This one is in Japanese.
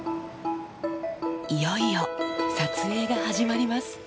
いよいよ撮影が始まります。